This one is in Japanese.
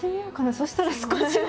そしたら少しは。